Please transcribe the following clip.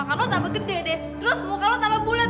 muka lo tambah gede deh terus muka lo tambah bulat